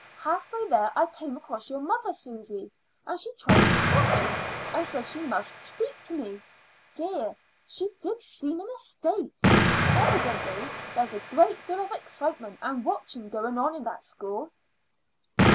Half way there I came across your mother, Susy, and she tried to stop me, and said she must speak to me. Dear, she did seem in a state! Evidently there's a great deal of excitement and watching going on in that school."